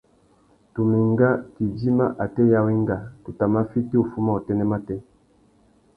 Tu mà enga tu idjima atê ya wenga, tu tà mà fiti uffuma utênê matê.